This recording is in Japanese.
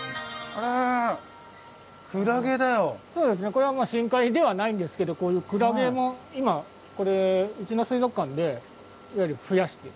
これは深海ではないんですけどこういうクラゲも今うちの水族館で増やしてる。